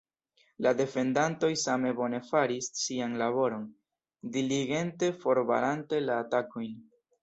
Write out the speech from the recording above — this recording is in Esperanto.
La defendantoj same bone faris sian laboron, diligente forbarante la atakojn.